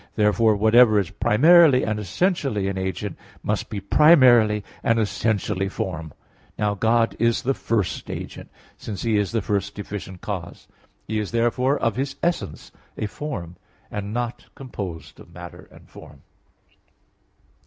Therefore whatever is primarily and essentially an agent must be primarily and essentially form. Now God is the first agent, since He is the first efficient cause. He is therefore of His essence a form; and not composed of matter and form.